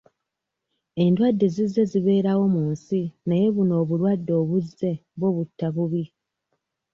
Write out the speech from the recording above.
Endwadde zizze zibeerawo mu nsi naye buno obulwadde obuzze bwo butta bubi.